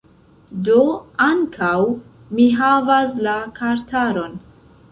Do, ankaŭ mi havas la kartaron